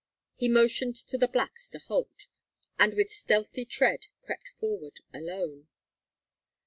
He motioned to the blacks to halt, and with stealthy tread crept forward alone.